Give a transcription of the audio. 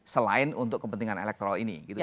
selain untuk kepentingan elektoral ini